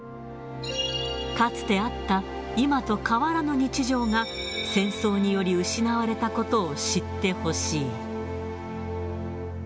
かつてあった、今と変わらぬ日常が、戦争により失われたことを知ってほしい。